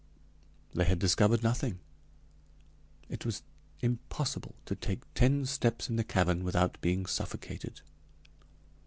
They had discovered nothing. It was impossible to take ten steps in the cavern without being suffocated.